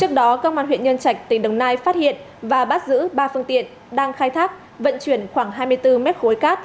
trước đó công an huyện nhân trạch tỉnh đồng nai phát hiện và bắt giữ ba phương tiện đang khai thác vận chuyển khoảng hai mươi bốn mét khối cát